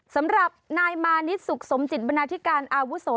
สำหรับนายมานิดสุขสมจิตบรรณาธิการอาวุโส